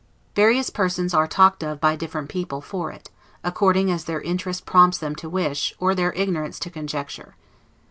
Various persons are talked of, by different people, for it, according as their interest prompts them to wish, or their ignorance to conjecture.